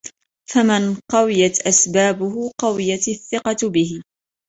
فَمَنْ قَوِيَتْ أَسْبَابُهُ قَوِيَتْ الثِّقَةُ بِهِ